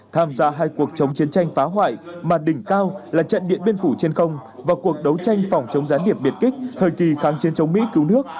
tham gia hai cuộc chống chiến tranh phá hoại mà đỉnh cao là trận điện biên phủ trên không và cuộc đấu tranh phòng chống gián điệp biệt kích thời kỳ kháng chiến chống mỹ cứu nước